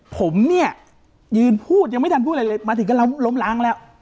ผมเนี่ยยืนพูดยังไม่ทันพูดอะไรเลยมาถึงก็เราล้มล้างแล้ว